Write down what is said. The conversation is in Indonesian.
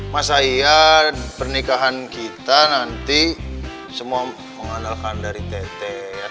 masa iya pernikahan kita nanti semua mengandalkan dari tete